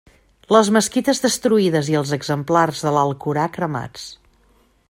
Les mesquites destruïdes i els exemplars de l'Alcorà cremats.